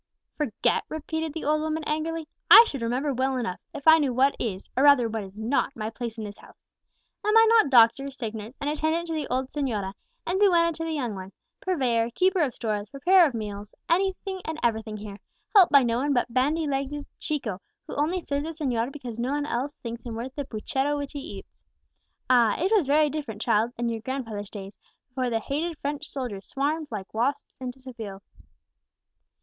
"Forget!" repeated the old woman angrily; "I should remember well enough, if I knew what is, or rather what is not, my place in this house. Am I not doctor, sick nurse, and attendant to the old señora, and duenna to the young one; purveyor, keeper of stores, preparer of meals, anything and everything here, helped by no one but bandy legged Chico, who only serves the señor because no one else thinks him worth the puchero which he eats? Ah! it was very different, child, in your grandfather's days, before the hated French soldiers swarmed like wasps into Seville!"